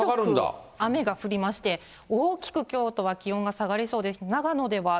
広く雨が降りまして、大きくきょうとは気温が下がりそうです。